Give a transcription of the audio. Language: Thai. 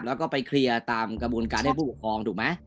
แล้วก็ไปเคลียร์ตามกระบวนการให้ผู้ปกครองถูกไหม